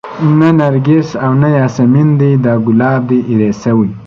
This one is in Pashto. نه نرګس او نه ياسمن دى دا ګلاب دى ايرې شوى